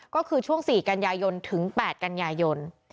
ก็คือช่วง๔กันยายนถึง๘กันยายน